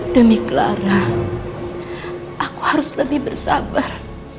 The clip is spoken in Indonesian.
demi clara aku harus lebih bersabar